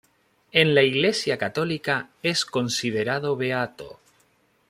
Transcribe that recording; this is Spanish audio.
En la Iglesia católica es considerado beato.